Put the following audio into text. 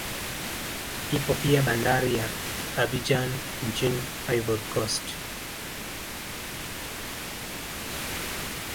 Ipo pia bandari ya Abidjan nchini Ivory Coast